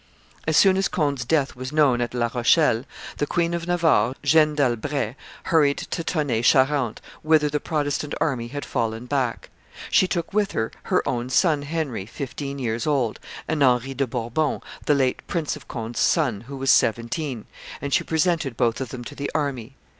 As soon as Conde's death was known at La Rochelle, the Queen of Navarre, Jeanne d'Albret, hurried to Tonnay Charente, whither the Protestant army had fallen back; she took with her her own son Henry, fifteen years old, and Henry de Bourbon, the late Prince of Conde's son, who was seventeen; and she presented both of them to the army.